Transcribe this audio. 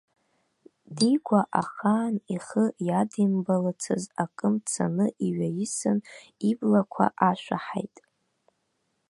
Дигәа ахаан ихы иадимбалацыз акы мцаны иҩаисын, иблақәа ашәаҳаит.